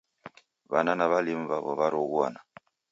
W'ana na w'alimu w'aw'o w'aroghuana.